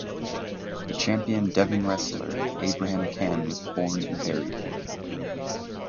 The champion Devon wrestler, Abraham Cann was born and buried here.